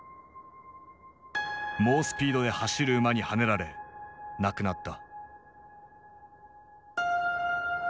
猛スピードで走る馬にはねられ亡くなった。